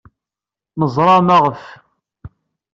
Neẓra maɣef.